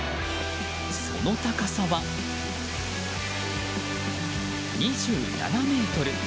その高さは２７ｍ。